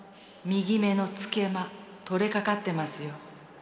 右目の『つけま』取れかかってますよ」。